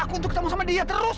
aku untuk ketemu sama dia terus